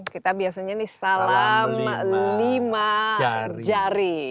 kita biasanya ini salam lima jari